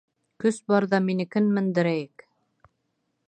Көс барҙа минекен мендерәйек.